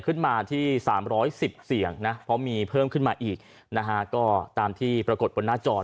ขึ้นมาที่สามร้อยสิบเสียงนะเพราะมีเพิ่มขึ้นมาอีกนะฮะก็ตามที่ปรากฏบนหน้าจอนะครับ